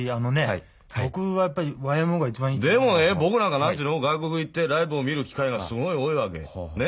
僕なんか何ていうの外国行ってライブを見る機会がすごい多いわけね。